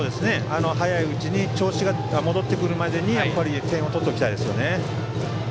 早いうちに調子が戻ってくるまでに点を取っておきたいですね。